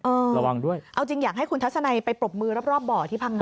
ระวังด้วยเอาจริงอยากให้คุณทัศนัยไปปรบมือรอบรอบบ่อที่พังงา